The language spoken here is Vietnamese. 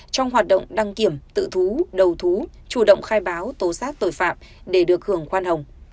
trong hoạt động đăng kiểm tự thú đầu thú chủ động khai báo tố xác tội phạm để được hưởng khoan hồng